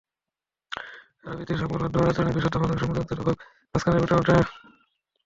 তবে সারা পৃথিবীর সংবাদমাধ্যমের আচরণে বিশুদ্ধ মানবিক সংবেদনশীলতার অভাব মাঝেমধ্যেই ফুটে ওঠে।